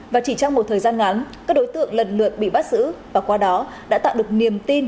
và chỉ trong một thời gian ngắn các đối tượng lần lượt bị bắt giữ và qua đó đã tạo được niềm tin